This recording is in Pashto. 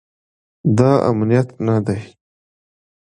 دا امنیت نه دی